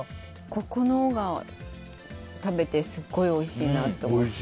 ここのが食べてすごいおいしいなと思って。